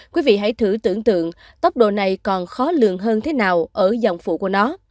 quý vị hãy thử tưởng tượng tốc độ này còn khó lường hơn thế nào ở dòng phụ của nó